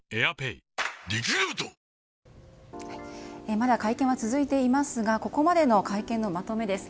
まだ会見は続いていますがここまでの会見のまとめです。